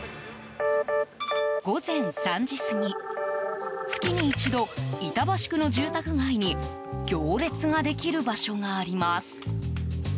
午前３時過ぎ月に一度、板橋区の住宅街に行列ができる場所があります。